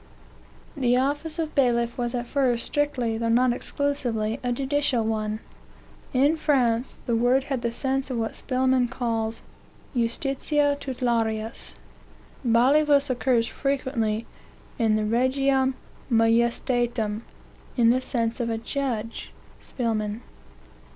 The office of bailiff was at first strictly, though not exclusively, a judicial one. In France, the word had the sense of what Spelman calls justitia tutelaris. Ballivus occurs frequently in the Regiam Majestatem, in the sense of a judge. Spelman.